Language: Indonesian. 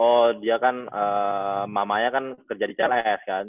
oh dia kan mamanya kan kerja di cls kan